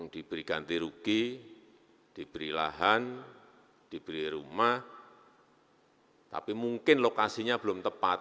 diberi ganti rugi diberi lahan diberi rumah tapi mungkin lokasinya belum tepat